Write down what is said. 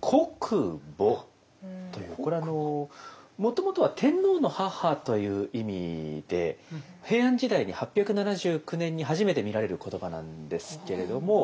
これはあのもともとは天皇の母という意味で平安時代に８７９年に初めて見られる言葉なんですけれども。